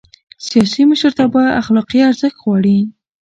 سیاسي مشرتابه اخلاقي ارزښت غواړي